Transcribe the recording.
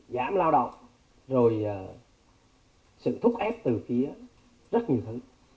giảm lao động rồi sự thúc ép từ phía rất nhiều thứ